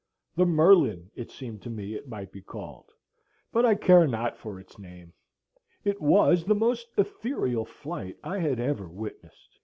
The Merlin it seemed to me it might be called: but I care not for its name. It was the most ethereal flight I had ever witnessed.